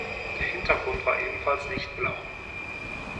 Der Hintergrund war ebenfalls lichtblau.